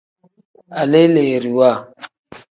Aleleeriwa.